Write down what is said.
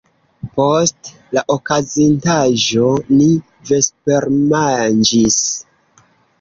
Post la okazintaĵo, ni vespermanĝis.